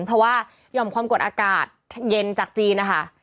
เพราะว่าหย่อมความกดอากาศเย็นจากจีนนะคะ